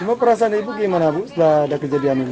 cuma perasaan ibu gimana setelah ada kejadian ibu